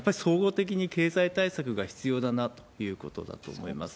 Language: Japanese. やっぱり総合的に経済対策が必要だなということだと思います。